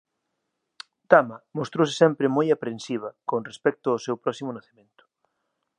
Tama mostrouse sempre moi aprehensiva con respecto ao seu próximo nacemento.